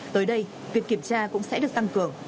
tới đây việc kiểm tra cũng sẽ được tăng cường